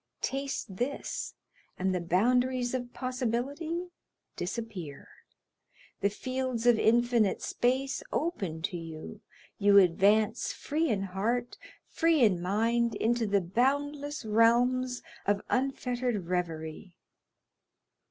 taste this, and the boundaries of possibility disappear; the fields of infinite space open to you, you advance free in heart, free in mind, into the boundless realms of unfettered reverie.